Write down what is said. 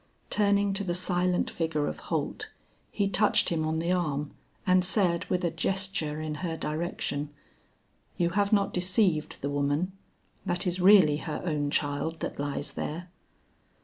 Turning to the silent figure of Holt, he touched him on the arm and said with a gesture in her direction: "You have not deceived the woman? That is really her own child that lies there?"